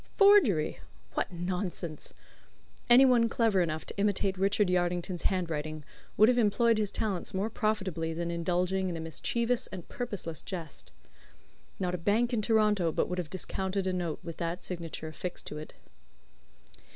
Forgery! What nonsense. Anyone clever enough to imitate Richard Yardington's handwriting would have employed his talents more profitably than indulging in a mischievous and purposeless jest. Not a bank in Toronto but would have discounted a note with that signature affixed to it.